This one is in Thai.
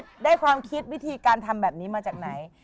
ได้ความคิดวิธีการทำแบบนี้มาจากไหน